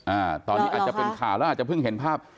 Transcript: อ่าตอนนี้อาจจะเป็นข่าวแล้วอาจจะเพิ่งเห็นภาพ